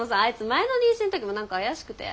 前の妊娠の時も何か怪しくて。